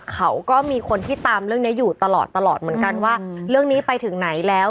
เขาก็มีคนที่ตามเรื่องนี้อยู่ตลอดตลอดเหมือนกันว่าเรื่องนี้ไปถึงไหนแล้ว